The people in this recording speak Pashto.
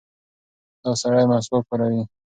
دا سړی مسواک کاروي.